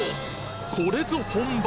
これぞ本場！